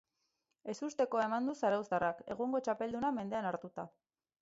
Ezustekoa eman du zarauztarrak egungo txapelduna mendean hartuta.